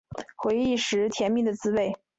回忆时甜蜜的滋味